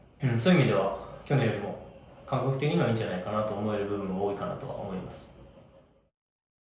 そういう意味では去年よりも感覚的にはいいんじゃないかなと思える部分は多いかなとは思います。